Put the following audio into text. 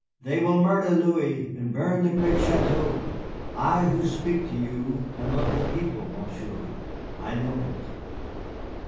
They will murder Louis and burn the great châteaux. I, who speak to you, am of the people, Monsieur, I know it."